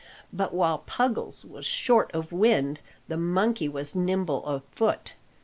But while Puggles was short of wind, the monkey was nimble of foot.